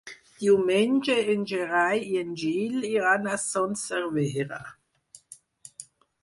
Diumenge en Gerai i en Gil iran a Son Servera.